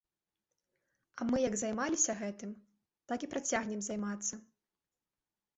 А мы як займаліся гэтым, так і працягнем займацца.